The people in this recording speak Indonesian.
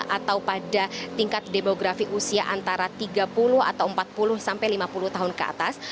atau pada tingkat demografi usia antara tiga puluh atau empat puluh sampai lima puluh tahun ke atas